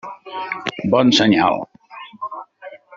Bon senyal.